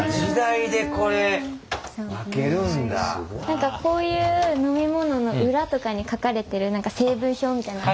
何かこういう飲み物の裏とかに書かれてる何か成分表みたいなの。